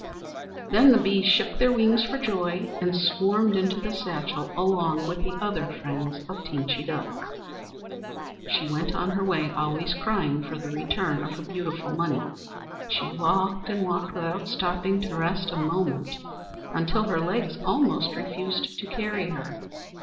Then the Bees shook their wings for joy and swarmed into the satchel along with the other friends of Teenchy Duck. She went on her way always crying for the return of her beautiful money. She walked and walked without stopping to rest a moment, until her legs almost refused to carry her.